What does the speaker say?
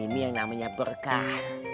ini yang namanya berkah